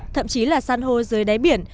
thậm chí là săn hô dưới đáy biển